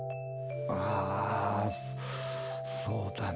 ああそうだね。